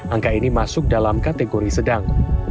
angka ini masuk dalam kategori sedang